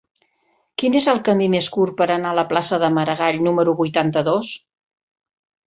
Quin és el camí més curt per anar a la plaça de Maragall número vuitanta-dos?